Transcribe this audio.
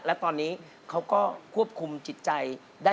และตอนนี้เขาก็ควบคุมจิตใจได้